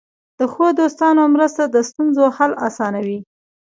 د ښو دوستانو مرسته د ستونزو حل اسانوي.